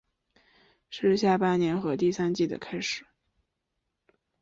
是下半年和第三季的开始。